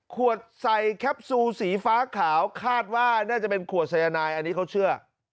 ขวดใส่แคปซูลสีฟ้าขาวคาดว่าน่าจะเป็นขวดสายนายอันนี้เขาเชื่อ